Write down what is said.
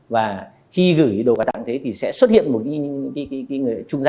và khi gửi đồ quà tặng thì sẽ xuất hiện một người trung gia